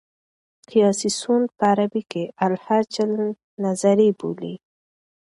قیاسي سون په عربي کښي الهج النظري بولي.